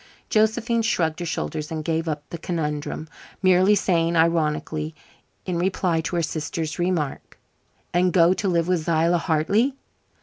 Josephine shrugged her shoulders and gave up the conundrum, merely saying ironically, in reply to her sister's remark: "And go to live with Zillah Hartley?"